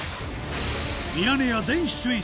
『ミヤネ屋』全出演者